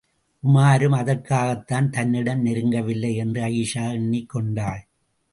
உமாரும் அதற்காகத்தான் தன்னிடம் நெருங்கவில்லை என்று அயீஷா எண்ணிக் கொண்டாள்.